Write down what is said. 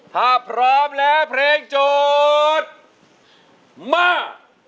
ถ้าพร้อมแล้วเพลงโจทย์มา